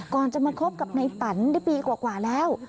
ก่อนจะมาคบกับในปันได้ปีกว่าแล้ว